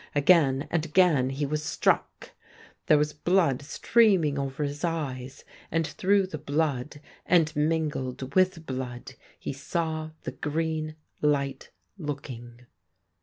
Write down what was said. Again and again he was struck. 71 THE GREEN LIGHT There was blood streaming over his eyes, and through the blood and mingled with blood he saw the green light looking.